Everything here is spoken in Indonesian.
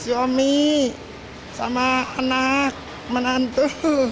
siomi sama anak menantu